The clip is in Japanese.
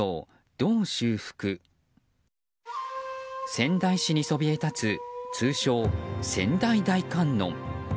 仙台市にそびえ立つ通称・仙台大観音。